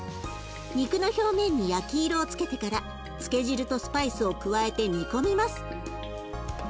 肉の表面に焼き色をつけてから漬け汁とスパイスを加えて煮込みます。